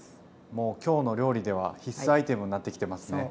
もう「きょうの料理」では必須アイテムになってきてますね。